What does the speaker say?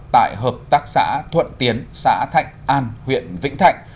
tại hợp tác xã thuận tiến xã thạnh an huyện vĩnh thạnh